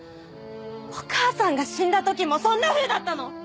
お母さんが死んだときもそんなふうだったの？